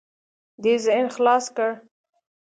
دې ذهن خلاص کړه.